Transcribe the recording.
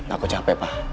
aku capek pa